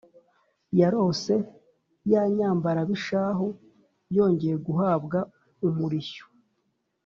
yarose ya nyambarabishahu yongeye guhabwa umurishyo